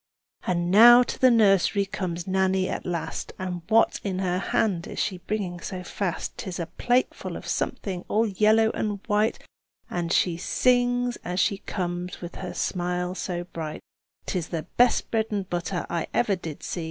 And now to the nursery comes Nannie at last, And what in her hand is she bringing so fast? 'Tis a plate full of something all yellow and white, And she sings as she comes with her smile so bright: "'Tis the best bread and butter I ever did see!